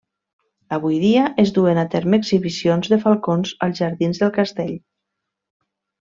Avui dia, es duen a terme exhibicions de falcons als jardins del castell.